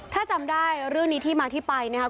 ถ้าจำได้เรื่องนี้ที่มาที่ไปนะครับ